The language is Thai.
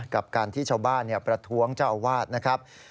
กับการที่ชาวบ้านประท้วงเจ้าอาวาสนะครับ